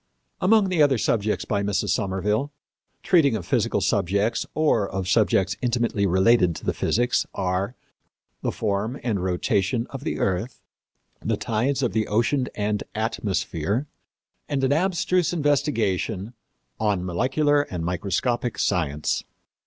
Among the other works by Mrs. Somerville, treating of physical subjects or of subjects intimately related to physics are The Form and Rotation of the Earth, The Tides of the Ocean and Atmosphere, and an abstruse investigation On Molecular and Microscopic Science.